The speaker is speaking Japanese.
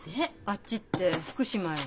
「あっち」って福島へ？